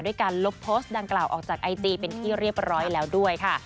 การลบโพสต์ดังกล่าวออกจากไอจีเป็นที่เรียบร้อยแล้วด้วยค่ะ